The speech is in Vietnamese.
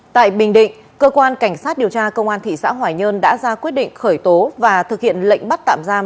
tại bình định cơ quan cảnh sát điều tra công an thị xã hoài nhơn đã ra quyết định khởi tố và thực hiện lệnh bắt tạm giam